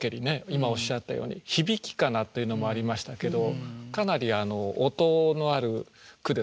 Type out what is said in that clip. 今おっしゃったように「響かな」というのもありましたけどかなり音のある句ですよね。